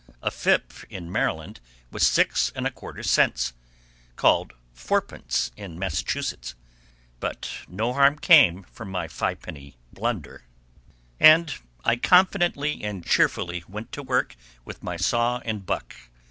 A fip in Maryland was six and a quarter cents, called fourpence in Massachusetts. But no harm came from the "fi'penny bit" blunder, and I confidently and cheerfully went to work with my saw and buck.